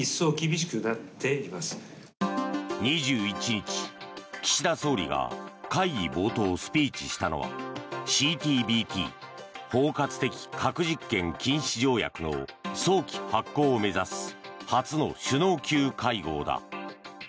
２１日、岸田総理が会議冒頭、スピーチしたのはＣＴＢＴ・包括的核実験禁止条約の早期発効を目指す初の首脳級会合だ。